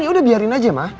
ya udah biarin aja mah